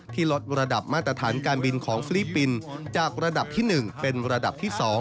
ลดระดับมาตรฐานการบินของฟิลิปปินส์จากระดับที่๑เป็นระดับที่๒